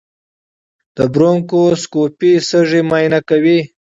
د برونکوسکوپي سږي معاینه کوي.